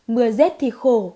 mưa rét thì khổ